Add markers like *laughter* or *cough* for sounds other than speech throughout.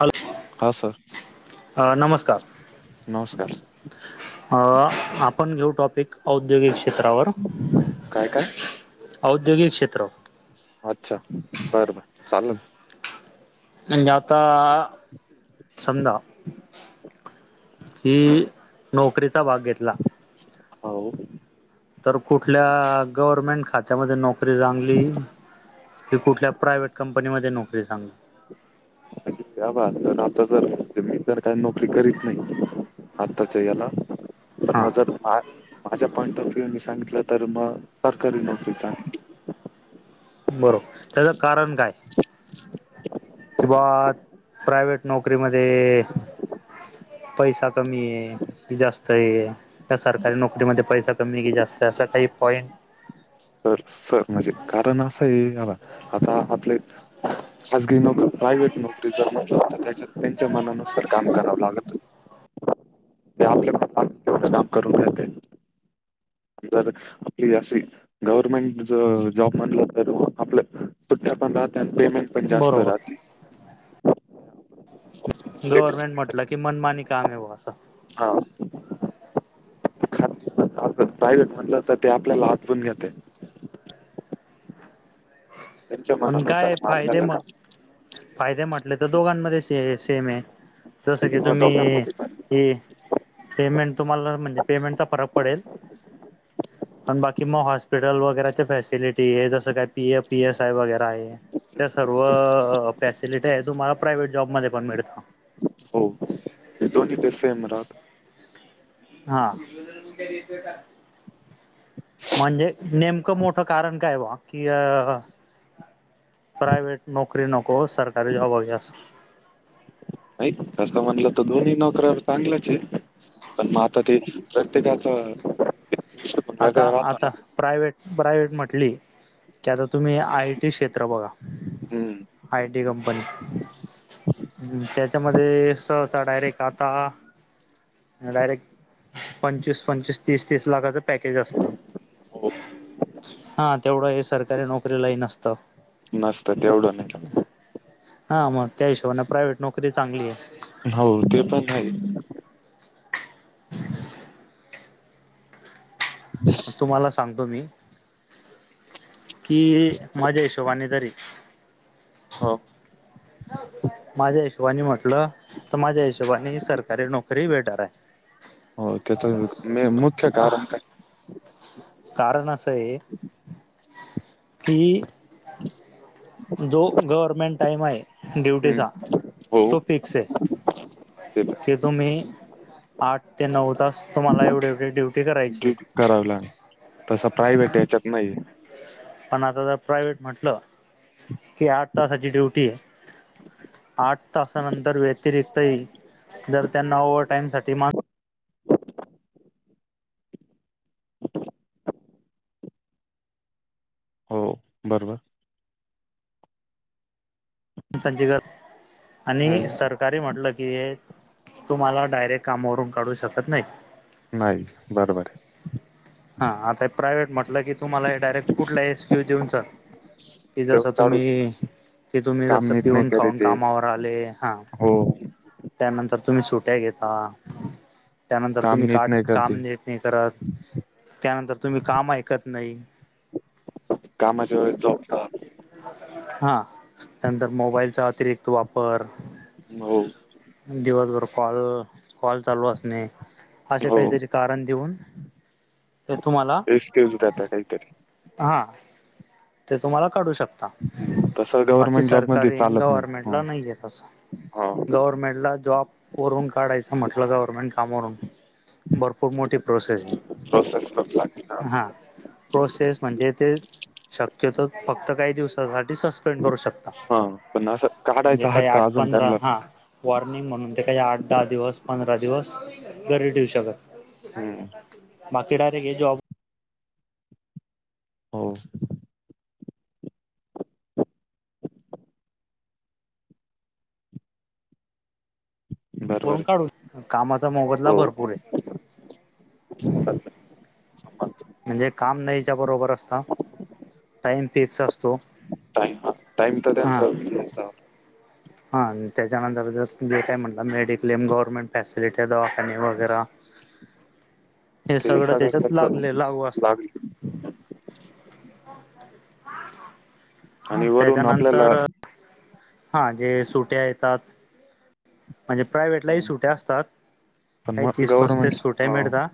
Hello हा sir अ नमस्कार नमस्कार. अं.. आपण घेऊ टॉपीक औद्योगिक क्षेत्रावर. काय काय औद्योगिक क्षेत्र अच्छा बर बर चालल. *unintelligible* आता समजा की नोकरीचा भाग घेतला हा ओ. तर कुठल्या गव्हरर्मेंट खात्यामध्ये नोकरी चांगली? की कुठल्या प्रायव्हेट कंपनीमध्ये नोकरी चांग क्या बात सर आता जर मी तर काय नोकरी करीत नाही. आत्ताच्या याला पण हा मग जर माझ्या पॉइंट ऑफ व्ह्यू नी सांगितलं तर मग सरकारी नोकरीली चांगली बरोबर. त्याचं कारण काय? की बुवा प्रायव्हेट नोकरीमध्ये पैसा कमी हे कि जास्त आहे जास्त त्या सरकारी नोकरीमध्ये पैसा कमी कि जास्त आहे असा काही पॉईंट तर सर म्हणजे कारण असं आहे हाबा आता आपले खासगी नोकरी, प्रायव्हेट नोकरी जर म्हंटल तर ते त्यांच्यात त्यांच्या मनानुसार काम करावं लागतू. ते आपल्या तेवढं काम करून घेते जर आपली अशी गव्हरर्मेंट जॉब म्हणलं तर आपलं सुट्टया पण राहत पेमेंट पण जास्त बरोबर राहती लेटेस्ट गव्हर्नमेंट म्हटलं की मनमानी काम आहेे बुवा असं हाव खाजगी *unintelligible* प्रायव्हेट म्हणलं तर ते आपल्याला हात धुऊन घेतंय. त्यांच्या पण मनानुसार काय मग फायदे आपल्याला म काम फायदे म्हटले तर दोघांमध्ये से सेम आहे. जसं की माहिती, मग तुम्ही दोघांमध्ये पण हे पेमेंट तुम्हाला म्हणजे पेमेंटचा फरक पडेल. आणि बाकी मग हॉस्पिटल वगैरेच्या फॅसिलिटी हे जसं काय पीफ, पीएस वगैरा आहे. त्या सर्व फॅसिलिटी आहे तुम्हाला प्रायव्हेट जॉबमध्ये पण मिळतं. हो ते दोन्ही ते सेम राहतं. हा म्हणजे नेमकं मोठं कारण काय बुवा, की प्रायव्हेट नोकरी नको सरकारी जॉब हवा अस. नाही तसं म्हणलं तर दोन्ही नोकऱ्या चांगलंच हे. पण मग आता ते प्रत्येकाचं *unintelligible* आता आता प्रायव्हेट प्रायव्हेट म्हटली की आता तुम्ही आयटी क्षेत्र बघा. हम्म. आय टी कंपनी हम्म त्याच्यामध्ये सहसा डायरेक्ट आता डायरेक्ट पंचवीस पंचवीस, तीस तीस लाखाचं तेच असत. हो हा तेवढं हे सरकारी नोकरीलाही नसतं. सध्या एवढं नाही चालतं. हा मग त्या हिशोबाने प्रायव्हेट नोकरी चांगली आहे. हो ते पण आहे. स स आहे तुम्हाला सांगतो मी, की माझ्या हिशोबाने तरी हो. माझ्या हिशोबानी म्हटलं तर माझ्या हिशोबाने सरकारी नोकरी बेटर आहे. होय मे त्याच मुख्य कारण काय? कारण असं आहे की हम् जो गव्हर्मेंट टाईम आहे हम्म ड्युटीचा हो तो फिक्स हे. ते पण की तुम्ही आठ ते नऊ तास तुम्हाला एवढेवढे ड्युटी करायचीये. कराव लागणं तसं प्रायव्हेट याच्यात नाहीये. पण आता जर प्रायव्हेट म्हटलं, की आठ तासाची ड्युटी आहे. आठ तासानंतर व्यतिरिक्तही जर त्यांना ओवर टाईमसाठी मान हो बरोबर. तुमचा जीआर आणि हम्म सरकारी म्हटलं की हे तुम्हाला डायरेक्ट कामावरून काढू शकत नाहीत. नाही बरोबर. हा आता प्रायव्हेट म्हटलं की, तुम्हाला डायरेक्ट कुठला एसक्यू देऊन जा की आहे जसं देऊन काढू श- तुम्ही कि तुम्ही काम जस नीट नाही पिऊन करे खाऊन ते कामावर आले, हा. हो त्यानंतर तुम्ही सुट्या घेता, त्यानंतर काम तुम्ही नीट काट नाही काम करते नि ती करा त्यानंतर तुम्ही काम ऐकत नाही. कामाच्या वेळेस झोपतो आम्ही. हा त्यांनतर मोबाईलचा अतिरिक्त वापर. हो. दिवसभर कॉल कॉल चालू असणे. असे हो काहीतरी कारण देऊन, ते तुम्हाला एक्सक्यूज देता काहीतरी हा. ते तुम्हाला काढू शकता. हम्म तसं बाकी गव्हर्नमेंट जॉब मध्ये सरकारी आणि चालत नाही गव्हर्मेंटला हं नाहीये तसं. हा गव्हर्नमेंटला जॉब करून काढायचं म्हटलं, गव्हर्नमेंट कामावरून भरपूर मोठी प्रोसेस आहे. प्रोसेस पण लागते ना हा प्रोसेस म्हणजे तेच शक्यतो फक्त काही दिवसांसाठी सस्पेंड करू शक हा पण असं काढायचा हक्क अजून पंधरा त्यांला हा नाही. वॉर्निंग म्हणून ते काय आठ दहा दिवस, पंधरा दिवस घरी ठेऊू शकत. हम्म बाकी डायरेक्ट हे जॉब हो. बरोबर करून आहे काढू कामाचा मोबदला हो भरपूरे. म्हणजे काम नाहीच्या बरोबर असतं. टाइम फिक्स अस टाम हा टाईम तर त्यांच‌ म्हणजे असं हा त्याच्या नंतर जर का म्हटला मेडिक्लेम गवर्मेट फॅसिलिटी दवाखांनी वगैरा ते सगळ त्याच्यात करतो. लागले लागू असतं *unintelligible* आणि वरून आपल्याला त्याच्यानंतर हा जे सुट्या येतात म्हणजे प्रायेव्हटलाही हं, सुट्या असतात. पण काही मग तीस, पस्तीस गव्हर्नमेंट सुट्या हो, मिळता.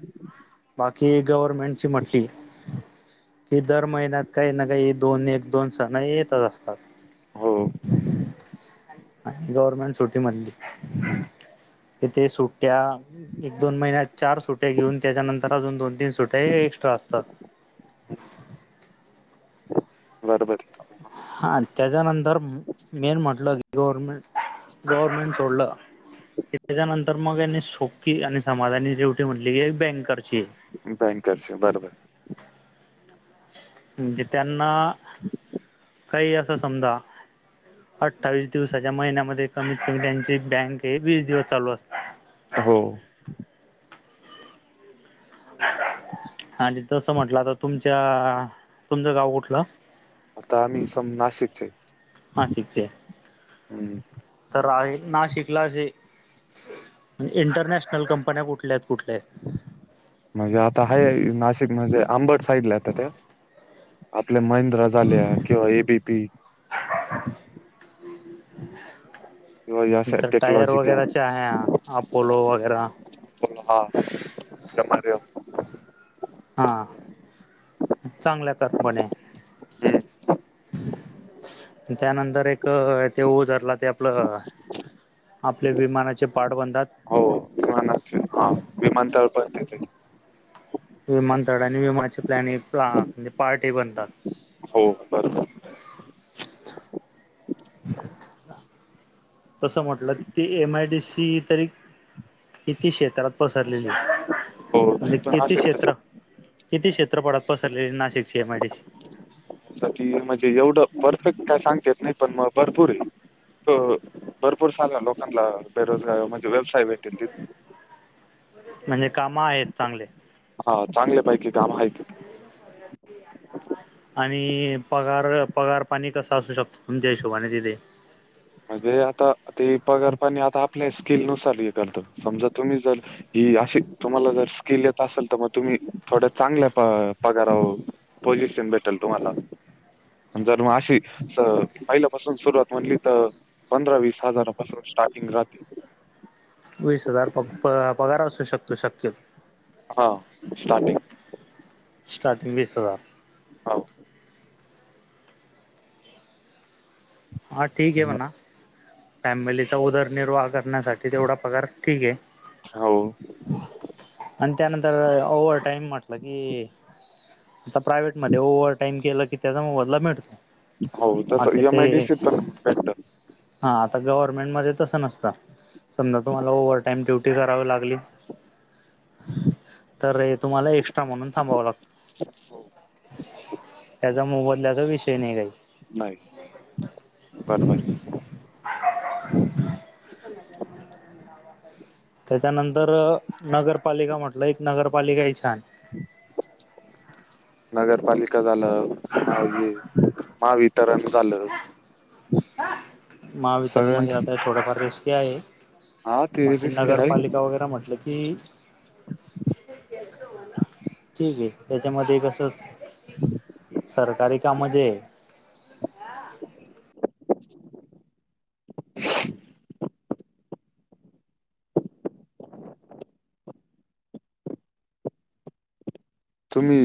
बाकी गव्हर्मेंटची म्हटली कि दर महिन्यात काही ना काही दोन एक दोन सण येतच असतात. हो. गव्हर्नमेंट सुटी म्हंटली तेथे सुट्ट्या एक दोन महिन्यात चार सुट्ट्या घेऊन त्याच्यानंतर अजून दोन तीन सुट्या या एक्स्ट्रा असतात. बरोबर. हा त्याज्यानंतर मेन म्हटलं गव्हर्नमेंट गवर्मेंट सोडलं त्याच्यानंतर मग, यांनी सोपी आणि समाधाने ठेवते म्हटली की ये बैंकरची. आत अँकरशी बरोबर. म्हणजे त्यांना काही असं समजा अठ्ठावीस दिवसाच्या महिन्यामध्ये, कमीत कमी त्यांची बँक हे वीस दिवस चालू असते. हो. आणि तसं म्हंटलं आता तुमच्या, तुमचं गाव कुठलं? आता आम्ही सम नाशिकचे नाशिक ची आहे. हं. तर आहे नाशिकला जे इंटरनॅशनल कंपन्या कुठल्यात कुठले? म्हणजे आता आहे नाशिक म्हणजे आबंट साईड ला जाते त्या. आपल्या महिंद्रा झाल्या किंवा एबीपी. किंवा या अशा नंतर टायर टेक्नॉलॉजिकल वगैरेचे आहे अपोलो वगैरा. *unintelligible* हा आणि चांगलंय त्यात म्हणे. हं. त्यानंतर एक ते ओजर ला ते आपलं आपले विमानाचे पार्ट बनतात हा विमानतळापर्यंत येतंय. विमानतळा आणि विमान चे प्लॅनिंग म्हणजे पार्ट हे बनतात. हो, बरोबर *inaudible* तसं म्हटलं की ती एम आय डी सी तरी. किती क्षेत्रात पसरलेली? हो म्हणजे ती पण किती अशी म्हणजे क्षेत्रात किती क्षेत्रफळात पसरलेलीये नाशिकची एमआयडीसी? त्या ती म्हणजे एवढं परफेक्ट काय सांगता येत नाही. पण, मग भरपूर आहे. हो हो भरपूर साध्या लोकांना बेरोजगार म्हणजे व्यवसाय भेटेल ति म्हणजे काम आहेत चांगले. हो चांगल्यापैकी काम हाय तिथं. आणि पगार, पगार पाणी कसं असू शकतं, तुमच्या हिशोबाने तिथे. म्हणजे आता ते पगारपणे आता आपल्या स्किल नुसार हे करतं समजा तुम्ही जल ही अशी तुम्हाला जर स्किल येत असेल, तर मग तुम्ही थोड्या चांगल्या पव पगाराह पोझिशन भेटेल तुम्हाला. जर मग, अशी स पहिल्यापासून सुरुवात म्हटली तर पंधरा वीस हजारापासून स्टार्टिंग राहती. वीस हजार प प पगार असू शकतो शक्यत हां, हाय मग, स्टार्टिंग स्टार्टिंग वीस हजार. हावू. हा, ठीक आहे मग म्हणा, फॅमिलीचा उदरनिर्वाह करण्यासाठी ते तेवढा पगार ठीक हो, आहे. अन त्यानंतर ओव्हर टाईम म्हटलं की आता प्रायव्हेट मध्ये ओवर टाइम केलं की त्याचा मोबदला मिळतो. हो तसं बाकी ई एम आय डी ते सी तर भेटतं हा, आता गव्हर्नमेंट मध्ये तसं नसतं. समजा तुम्हाला ओवर टाईम ड्युटी करावी लागली तर हे तुम्हाला एक्स्ट्रा म्हणून थांबावं लागतं. हो, त्याचा मोबदल्याचा विषय नाही काही. नाही, बर बर. *inaudible* त्याच्यानंतर नगरपालिका म्हटलं, एक नगरपालिका आहे छान. नगरपालिका झालं पुन्हा हे. महावितरण झालं. महावितरणमध्ये सगळ्यांच आता थोडंफार रिस्की आहे हा ते बाकी रिस्क आहे नगरपालि ताव वगैरे म्हटलं की ठीक आहे, त्याच्यामध्ये कसं. सरकारी कामं जे तुम्ही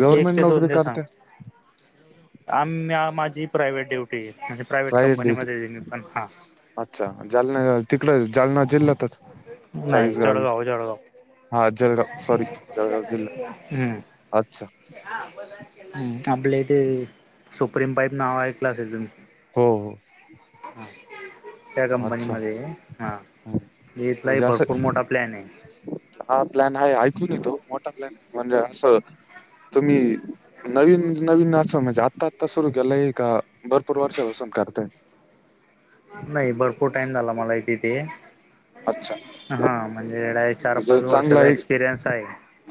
गव्हर्नमेंट नोकरी करता? आम्या माझी प्रायवहेट ड्युटी म्हणजे प्रायव्हेट कंपनीमध्ये मी पण हा. अच्छा जालना तिकडे जालना जिल्ह्यातच नाही चाळीसगाव इकड जळगाव जळगाव. हा जळगाव सॉरी जळगाव जिल्हा हम्म. अच्छा हम्म आपलं इथे सुप्रीम पाईप नाव ऐकला असेल तुम्ही हो हो. हा त्या कंपनी अच्छा मध्ये हा हम्म. इथला ही म्हणजे असं भरपूर मो हा प्लॅन आहे. हा प्लॅन आहे ऐकून येतो मोठा प्लॅन म्हणजे असं तुम्ही नवीन नवीन असा म्हणजे आत्ता आत्ता सुरू केलंय का भरपूर वर्षापासून करताय. नाही भरपूर टाइम झाला मला ही तिथे. अच्छा हा म्हणजे एढाये म्हणजे चार-पाच चांगला वर्षाचा एक एक्सपिरियन्स आहे.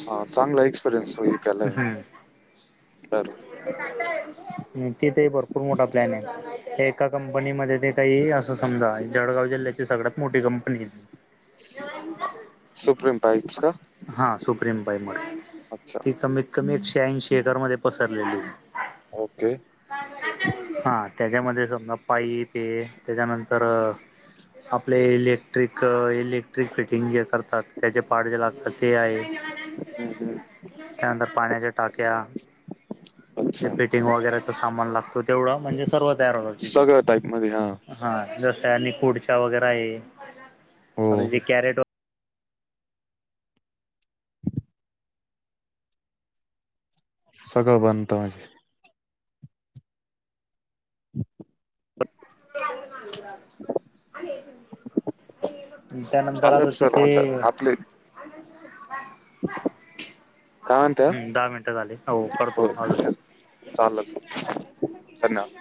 हा चांगला एक्सपिरियन्स होई त्याला बी बर बर. हम्म तिथे ही भरपूर मोठा प्लॅन आहे एका कंपनीमध्ये ने ताई असं समजा जळगाव जिल्ह्याची सगळ्यात मोठी कंपनी सुप्रीम पाईप्स का? हा सुप्रिम पायमर अच्छा ती कमीत कमी एक शे ऐंशी एकर मध्ये पसरलेली. ओके. हा त्याच्यामध्ये समजा पाइप पे त्याच्यानंतर आपले इलेक्ट्रिक इलेक्ट्रिक फिटिंग जे करतात त्याचे पार्ट जे लागतात ते आहे हम्म, हम्म. त्यानंतर पाण्याच्या टाक्या जे अच्छा पेटिंग वगैरेचं सामान लागतो तेवढा म्हणजे सर्व तयार होतात. तिथे सगळ्या टाईपमध्ये हा. हा जसं आणि कुडच्या वगैरे आहे हो आता जे कॅरेटर सगळं बनतं माझे. हम *unintelligible* आणि एक *unintelligible* त्यानंतर आता चालेल सर तिथे म्हटलं आपले काय म्हणत्या हम्म दहा मिनटं झाले अहो करतो अजून. चाललं असेल. *unintelligible*